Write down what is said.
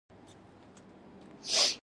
د حکمرانۍ په نهمه ورځ یې خبریالانو ته وویل.